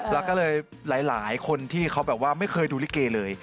แล้วก็เลยหลายคนที่เขาแบบว่าไม่เคยดูลิเกเลย